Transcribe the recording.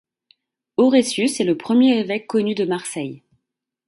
Oresius est le premier évêque connu de Marseille.